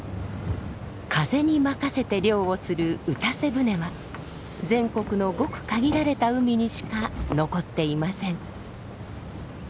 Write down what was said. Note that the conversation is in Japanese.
風にまかせて漁をするうたせ船は全国のごく限られた海にしか残っていません。